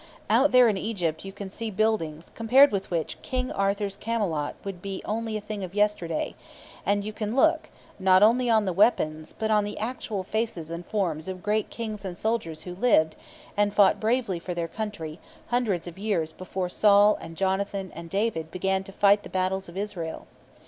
Out there in Egypt you can see buildings compared with which King Arthur's Camelot would be only a thing of yesterday; and you can look, not only on the weapons, but on the actual faces and forms of great Kings and soldiers who lived, and fought bravely for their country, hundreds of years before Saul and Jonathan and David began to fight the battles of Israel.